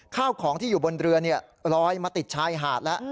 ข้าวของที่อยู่บนเรือลอยมาติดชายหาดแล้ว